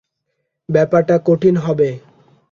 ব্যাপারটা কঠিন হবে।